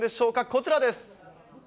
こちらです。